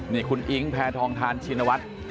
นี่คุณอิ๊งแพทองทานชินวัฒน์